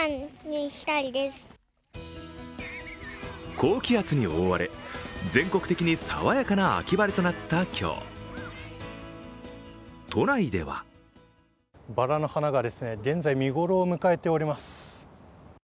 高気圧に覆われ、全国的に爽やかな秋晴れとなった今日、都内ではばらの花が現在、見頃を迎えております。